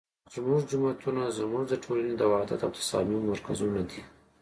زمونږ جوماتونه زمونږ د ټولنې د وحدت او تصاميمو مرکزونه دي